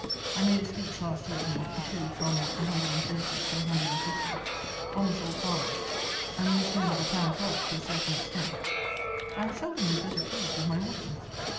_ I made a speech last evening to from 130 to 150, almost all farmers, and most men of apparent wealth to a certain extent. I have seldom been better pleased with my audience.